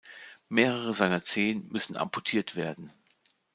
Mehrere seiner Zehen müssen amputiert werden.